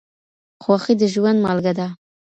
خوښي د ژوند مالګه ده.